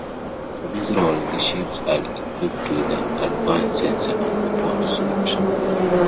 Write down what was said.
For this role the ships are equipped with an advanced sensor and weapons suite.